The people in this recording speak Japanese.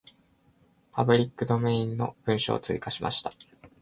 パブリックドメインの文章を追加しました。